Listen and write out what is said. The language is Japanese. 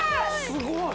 すごい！